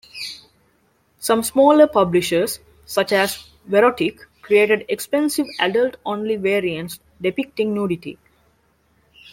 Some smaller publishers, such as Verotik created expensive adult-only variants depicting nudity.